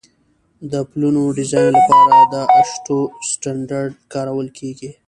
د پلونو ډیزاین لپاره د اشټو سټنډرډ کارول کیږي